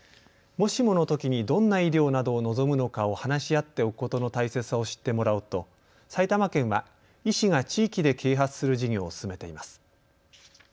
もしものときにどんな医療などを望むのかを話し合っておくことの大切さを知ってもらおうと埼玉県は医師が地域で啓発する事業を進めています。